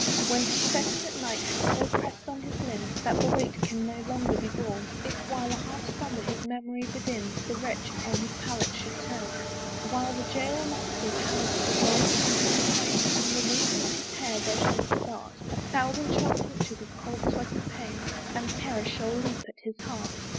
When his fetters at night have so press'd on his limbs, That the weight can no longer be borne, If, while a half slumber his memory bedims, The wretch on his pallet should turn, While the jail mastiff howls at the dull clanking chain, From the roots of his hair there shall start A thousand sharp punctures of cold sweating pain, And terror shall leap at his heart.